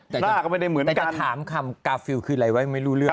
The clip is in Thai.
หน้าก็ไม่ได้เหมือนกันแต่ถามคำกาฟิลล์คืออะไรไว้ไม่รู้เรื่อง